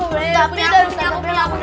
punya aku punya aku